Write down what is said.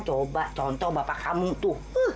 coba contoh bapak kamu tuh